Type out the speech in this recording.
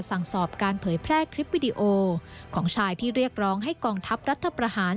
สั่งสอบการเผยแพร่คลิปวิดีโอของชายที่เรียกร้องให้กองทัพรัฐประหาร